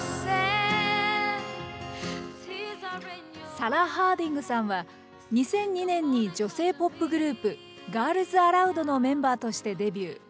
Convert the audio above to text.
サラ・ハーディングさんは、２００２年に女性ポップグループ、ガールズ・アラウドのメンバーとしてデビュー。